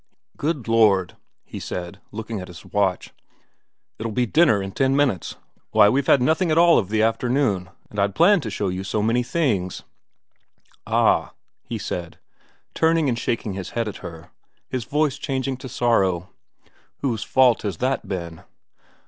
* Good Lord,' he said, looking at his watch, ' it'll be dinner in ten minutes. Why, we've had nothing at all of the afternoon, and I'd planned to show you so many things. Ah,' he said, turning and shaking his head at her, his voice changing to sorrow, ' whose fault has that been